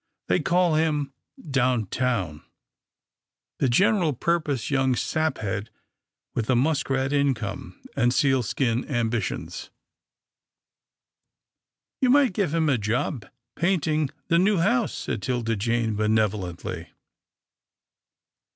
They call him, down town, ' The general purpose young saphead, with the muskrat income, and sealskin ambitions.' " A COTTAGE OF GENTILITY 333 " You might give him the job of painting the new house," said 'Tilda Jane benevolently.